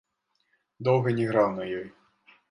Доўга не граў на ёй.